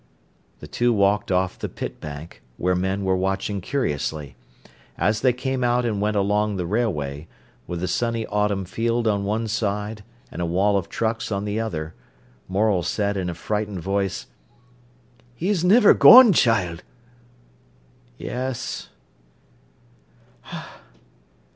The two walked off the pit bank, where men were watching curiously. As they came out and went along the railway, with the sunny autumn field on one side and a wall of trucks on the other, Morel said in a frightened voice: "'E's niver gone, child?" "Yes."